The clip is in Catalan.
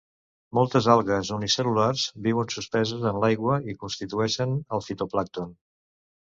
Moltes algues unicel·lulars viuen suspeses en l'aigua i constitueixen el fitoplàncton.